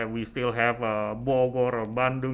kita masih memiliki bogor bandung